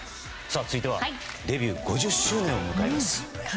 続いてはデビュー５０周年を迎えます。